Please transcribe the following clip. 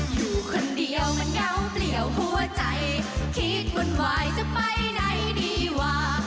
อยู่คนเดียวมันยาวเปลี่ยวหัวใจคิดวุ่นวายจะไปไหนดีว่า